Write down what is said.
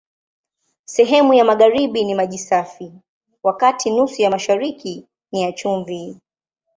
Sehemu ya magharibi ni maji safi, wakati nusu ya mashariki ni ya chumvi.